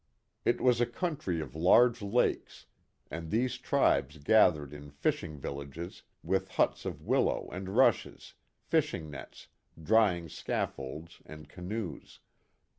It was a country of large lakes, and these tribes gathered in fishing villages with huts of willow and rushes, fishing nets, drying scaffolds and canoes.